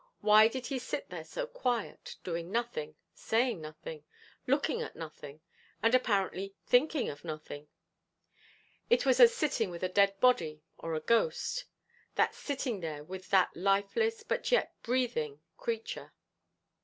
why did he sit there so quiet, doing nothing saying nothing looking at nothing and apparently thinking of nothing? it was as sitting with a dead body or a ghost that sitting there with that lifeless but yet breathing creature.